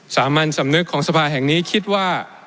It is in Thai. สามัญสำนึกของสภาแห่งนี้คิดว่า